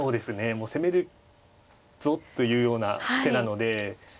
もう攻めるぞというような手なので。